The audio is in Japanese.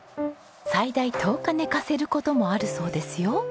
最大１０日寝かせる事もあるそうですよ。